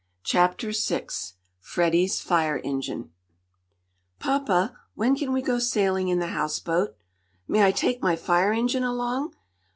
CHAPTER VI FREDDIE'S FIRE ENGINE "Papa, when can we go sailing in the houseboat?" "May I take my fire engine along?"